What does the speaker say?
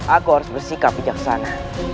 aku harus bersikap bijaksana